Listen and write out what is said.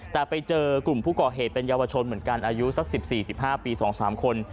แต่ไปเจอกลุ่มผู้ก่อเหตุเป็นเยาวชนเหมือนกันอายุสัก๑๔๑๕ปี๒๓คน